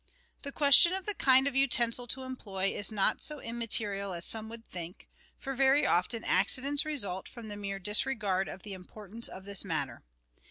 The question of the kind of utensil to employ is not so immaterial as some would think, for very often accidents result from the mere disregard of the importance of this matter.